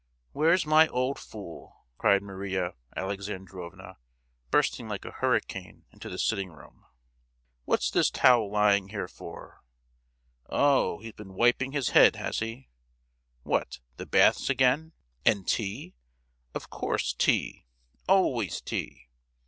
"Where's my old fool?" cried Maria Alexandrovna bursting like a hurricane into the sitting room. "Whats this towel lying here for?—Oh!—he's been wiping his head, has he. What, the baths again! and tea—of course tea!—always tea!